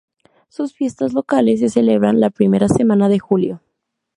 Sus fiestas locales se celebran la primera semana de julio.